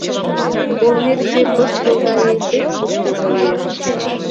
Корнетше пыстыл гае Тек куштылго лиеш.